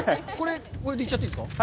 これで行っちゃっていいですか？